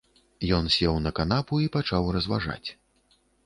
Ён сеў на канапу і пачаў разважаць.